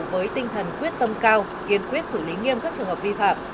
với tinh thần quyết tâm cao kiên quyết xử lý nghiêm các trường hợp vi phạm